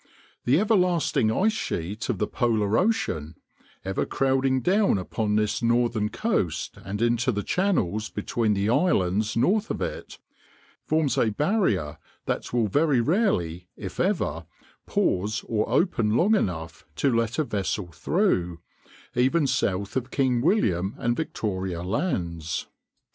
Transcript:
The everlasting ice sheet of the polar ocean, ever crowding down upon this northern coast and into the channels between the islands north of it, forms a barrier that will very rarely, if ever, pause or open long enough to let a vessel through, even south of King William and Victoria lands.